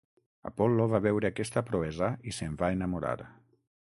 Apol·lo va veure aquesta proesa i se'n va enamorar.